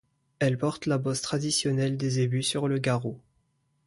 Elle porte la bosse traditionnelle des zébus sur le garrot.